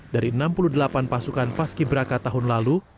dari enam puluh delapan pasukan paski beraka tahun lalu